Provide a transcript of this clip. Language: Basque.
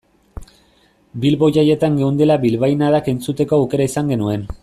Bilbo jaietan geundela bilbainadak entzuteko aukera izan genuen.